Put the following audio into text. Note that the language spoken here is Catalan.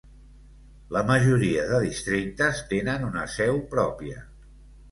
La majoria de districtes tenen una seu pròpia.